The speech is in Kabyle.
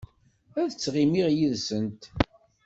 Ad ttɣimiɣ yid-sent.